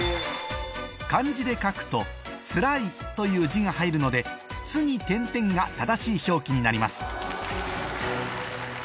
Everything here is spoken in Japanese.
漢字で書くと「辛い」という字が入るので「つ」に点々が正しい表記になります